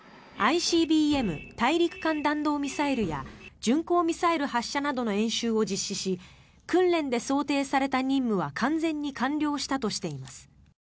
ＩＣＢＭ・大陸間弾道ミサイルや巡航ミサイル発射などの演習を実施し訓練で想定された任務は完全に完了したとしています。